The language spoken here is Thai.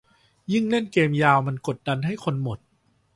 ยิ่งเล่นเกมยาวมันกดดันให้คนหมด